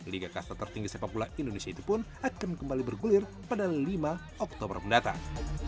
liga kasta tertinggi sepak bola indonesia itu pun akan kembali bergulir pada lima oktober mendatang